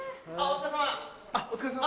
お疲れさま！